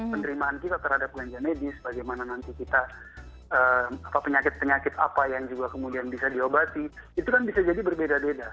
penerimaan kita terhadap belanja medis bagaimana nanti kita penyakit penyakit apa yang juga kemudian bisa diobati itu kan bisa jadi berbeda beda